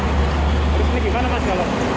terus ini gimana mas kalau